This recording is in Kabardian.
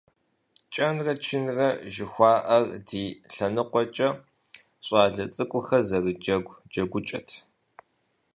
КӀэнрэ чынрэ жыхуаӏэр ди лъэныкъуэкӏэ щӀалэ цӀыкӀухэр зэрыджэгу джэгукӀэт.